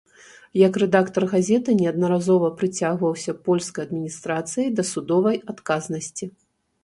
Як рэдактар газеты неаднаразова прыцягваўся польскай адміністрацыяй да судовай адказнасці.